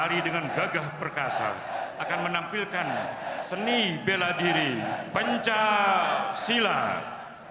hari dengan gagah perkasa akan menampilkan seni bela diri penca silat